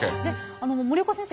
森岡先生